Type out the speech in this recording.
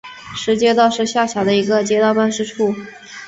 石街道是下辖的一个街道办事处。